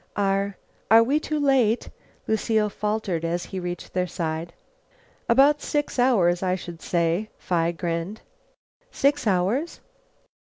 "Are are we too late?" Lucile faltered as he reached their side. "About six hours, I should say," Phi grinned. "Six hours?"